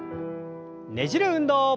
ねじる運動。